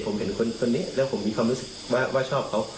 ผมเห็นคนนี้แล้วผมมีความรู้สึกว่าชอบเขา